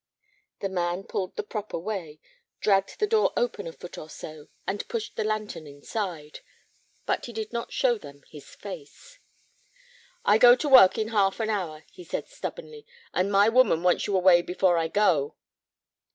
The man pulled the prop away, dragged the door open a foot or so, and pushed the lantern inside. But he did not show them his face. "I go to work in half an hour," he said, stubbornly, "and my woman wants you away before I go."